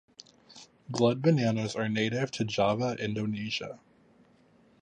Blood bananas are native to Java, Indonesia.